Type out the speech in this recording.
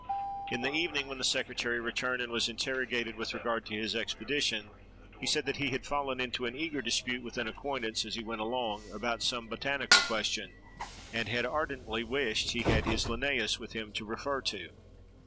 In the evening, when the secretary returned, and was interrogated with regard to his expedition, he said that he had fallen into an eager dispute with an acquaintance, as he went along, about some botanical question, and had ardently wished he had had his Linnæus with him to refer to.